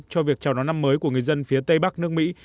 cho việc chào đón năm mới của người dân phía tây bắc nước mỹ